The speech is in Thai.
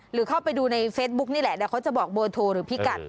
หรือเข้าไปดูในเฟซบุ๊กนี่แหละเดี๋ยวเขาจะบอกเบอร์โทรหรือพี่กัด